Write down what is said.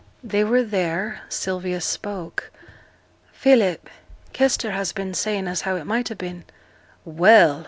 They were there. Sylvia spoke. 'Philip, Kester has been saying as how it might ha' been ' 'Well!'